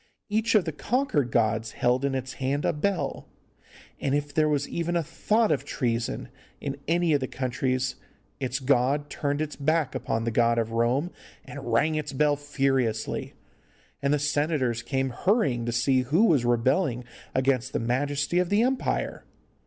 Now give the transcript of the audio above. Each of the conquered gods held in its hand a bell, and if there was even a thought of treason in any of the countries its god turned its back upon the god of Rome and rang its bell furiously, and the senators came hurrying to see who was rebelling against the majesty of the empire.